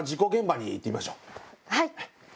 はい！